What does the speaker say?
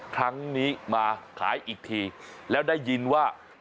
ครั้งนี้มาขายอีกทีแล้วได้ยินว่า